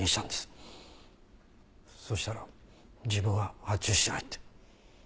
そうしたら自分は発注してないって。